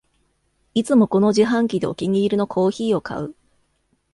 いつもこの自販機でお気に入りのコーヒーを買う